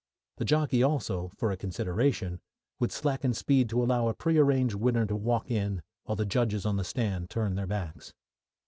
The jockey also, for a consideration, would slacken speed to allow a prearranged winner to walk in, while the judges on the stand turned their backs.